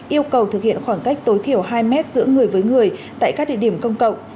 yêu cầu thực hiện khoảng cách tối thiểu hai mét giữa người với người tại các địa điểm công cộng